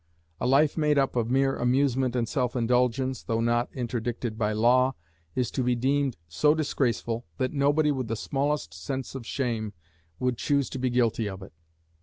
A life made up of mere amusement and self indulgence, though not interdicted by law, is to be deemed so disgraceful, that nobody with the smallest sense of shame would choose to be guilty of it.